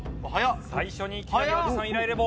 最初にいきなりおじさんイライラ棒。